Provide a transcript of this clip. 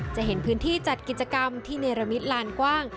จะเห็นพื้นที่จัดกิจกรรมที่เนรมิตลานกว้าง